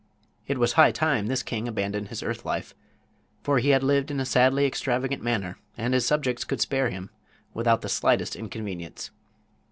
It was high time this king abandoned his earth life, for he had lived in a sadly extravagant manner, and his subjects could spare him without the slightest inconvenience.